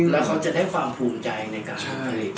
แล้วเขาจะได้ความภูมิใจในกระค่าย